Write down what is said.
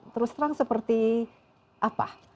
terus terang seperti apa